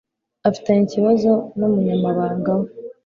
Afitanye ikibazo numunyamabanga we